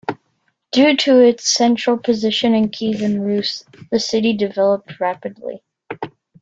Due to its central position in Kievan Rus', the city developed rapidly.